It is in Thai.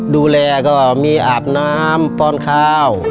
ดูแลก็มีอาบน้ำป้อนข้าว